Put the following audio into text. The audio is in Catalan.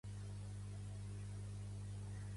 Aplanaven el cap als infantons.